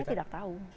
saya tidak tahu